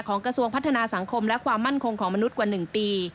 กระทรวงพัฒนาสังคมและความมั่นคงของมนุษย์กว่า๑ปี